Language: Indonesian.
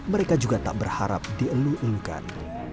mereka juga tak berharap dielu elukan